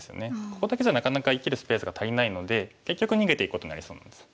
ここだけじゃなかなか生きるスペースが足りないので結局逃げていくことになりそうなんです。